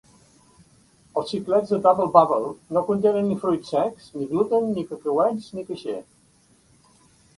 Els xiclets de Dubble Bubble no contenen ni fruits secs, ni gluten, ni cacauets ni caixer.